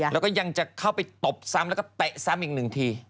แล้วก็ยังจะเข้าไปตบซ้ำแล้วก็เตะซ้ำอีกหนึ่งที